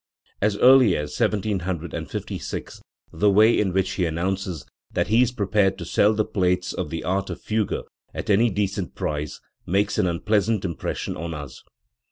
As early as 1756 the way in which he announces that he is prepared to sell the plates of the Aft of Fugue at any decent price, makes an unpleasant impression on us.